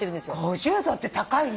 ５０℃って高いね。